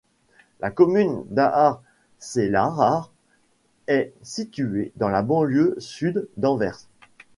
La commune d'Aartselaar est située dans la banlieue sud d'Anvers.